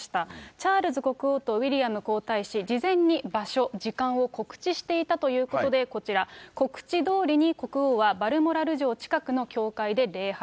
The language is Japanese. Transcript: チャールズ国王とウィリアム皇太子、事前に場所、時間を告知していたということで、こちら、告知どおりに国王はバルモラル城近くの教会で礼拝。